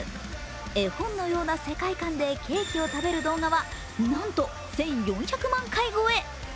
絵本のような世界観でケーキを食べる動画はなんと１４００万回超え。